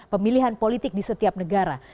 pemilihan politik di setiap negara